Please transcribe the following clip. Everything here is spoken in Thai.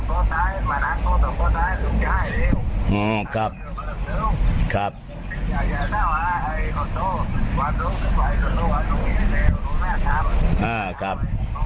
อื้มครับครับ